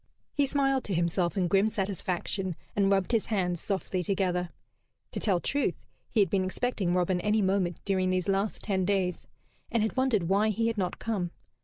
He smiled to himself in grim satisfaction, and rubbed his hands softly together. To tell truth, he had been expecting Robin any moment during these last ten days, and had wondered why he had not come.